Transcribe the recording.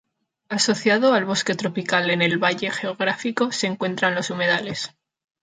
Asociado al bosque tropical en el valle geográfico se encuentran los humedales.